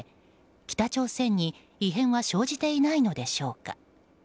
北朝鮮に異変は生じていないのでしょうか。